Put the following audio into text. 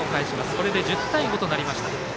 これで１０対５となりました。